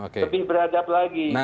lebih beradab lagi